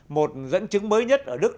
một dẫn chứng mới nhất ở đức